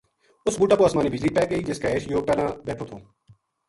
اس بُوٹا پو اسمانی بجلی پے گئی جس کے ہیٹھ یوہ پہلاں بیٹھو تھو